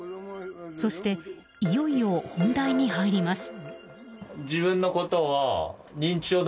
そして、いよいよ本題に入ります。